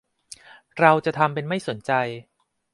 เราจะทำเป็นไม่สนใจ